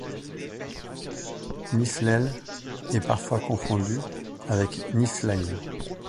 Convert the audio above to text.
Niflhel est parfois confondu avec Niflheim.